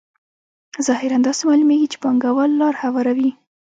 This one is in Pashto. ظاهراً داسې معلومېږي چې پانګوال لار هواروي